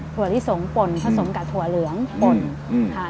ถั่วที่สงป่นผสมกับถั่วเหลืองป่น